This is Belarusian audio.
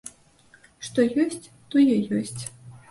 Што ёсць, тое ёсць.